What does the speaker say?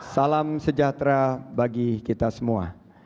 salam sejahtera bagi kita semua